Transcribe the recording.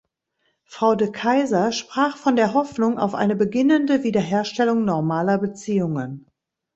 Frau De Keyser sprach von der Hoffnung auf eine beginnende Wiederherstellung normaler Beziehungen.